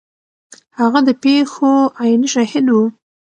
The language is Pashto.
هغه د پیښو عیني شاهد و.